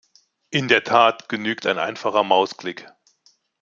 In der Tat genügt ein einfacher Mausklick.